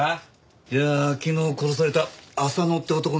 いやあ昨日殺された浅野って男ね